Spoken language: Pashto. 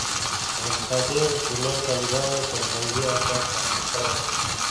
عبدالقادر سینو طالبان پر همدې اساس تحلیل کړي.